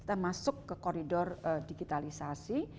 kita masuk ke koridor digitalisasi